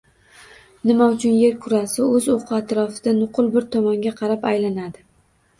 Nima uchun Yer kurrasi o’z o’qi atrofida nuqul bir tomonga qarab aylanadi?